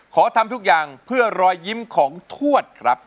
ทำทุกอย่างเพื่อรอยยิ้มของทวดครับ